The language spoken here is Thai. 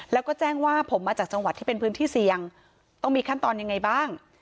แล้วก็แจ้งว่าผมมาจากจังหวัดที่เป็นพื้นที่เสี่ยงต้องมีขั้นตอนยังไงบ้าง